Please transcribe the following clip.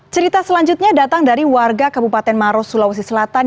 cerita selanjutnya datang dari warga kabupaten maros sulawesi selatan